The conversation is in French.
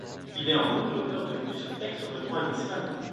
Il est en outre l'auteur de plusieurs textes sur le droit et l'Islam.